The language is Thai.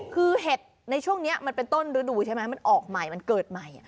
คือเห็ดในช่วงนี้มันเป็นต้นฤดูใช่ไหมมันออกใหม่มันเกิดใหม่